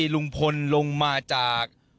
ลุงพลลงมาจาก